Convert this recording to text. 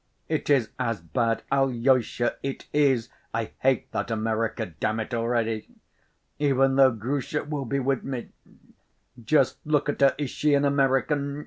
It is as bad, Alyosha, it is! I hate that America, damn it, already. Even though Grusha will be with me. Just look at her; is she an American?